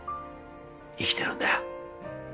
生きてるんだよ。